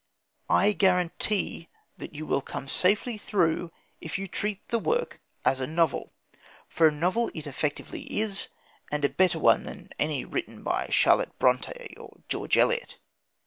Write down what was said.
I guarantee that you will come safely through if you treat the work as a novel. For a novel it effectively is, and a better one than any written by Charlotte Brontë or George Eliot.